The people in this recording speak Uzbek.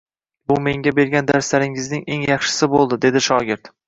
Bu menga bergan darslaringizning eng yaxshisi boʻldi, dedi shogird